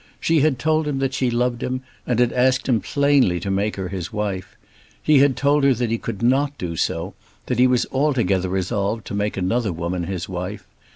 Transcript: She had told him that she loved him and had asked him plainly to make her his wife. He had told her that he could not do so, that he was altogether resolved to make another woman his wife.